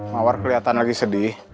mawar kelihatan lagi sedih